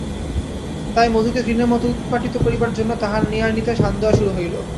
তাই মধুকে তৃণের মতো উৎপাটিত করিবার জন্য তাহার নিড়ানিতে শান দেওয়া শুরু হইল।